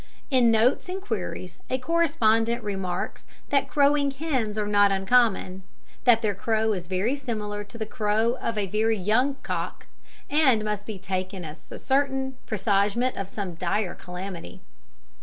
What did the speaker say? In Notes and Queries a correspondent remarks that crowing hens are not uncommon, that their crow is very similar to the crow of a very young cock, and must be taken as a certain presagement of some dire calamity.